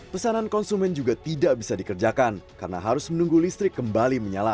pesanan konsumen juga tidak bisa dikerjakan karena harus menunggu listrik kembali menyala